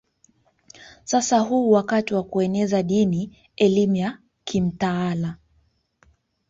Sasa huu wakati wa kueneza dini elimu ya kimtaala